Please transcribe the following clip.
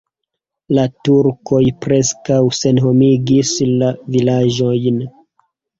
La turkoj preskaŭ senhomigis la vilaĝojn.